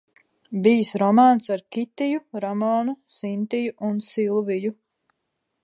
Bijis romāns ar Kitiju, Ramonu, Sintiju un Silviju.